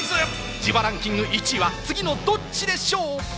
自腹ンキング１位は次のどっちでしょう？